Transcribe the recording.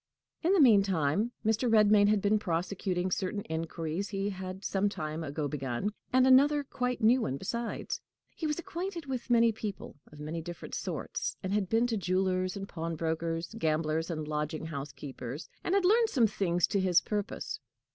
In the meantime Mr. Redmain had been prosecuting certain inquiries he had some time ago begun, and another quite new one besides. He was acquainted with many people of many different sorts, and had been to jewelers and pawnbrokers, gamblers and lodging house keepers, and had learned some things to his purpose.